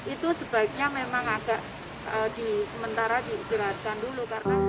itu sebaiknya memang agak di sementara diistirahatkan dulu